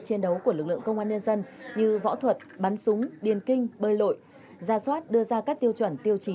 chiến đấu của lực lượng công an nhân dân như võ thuật bắn súng điền kinh bơi lội ra soát đưa ra các tiêu chuẩn tiêu chí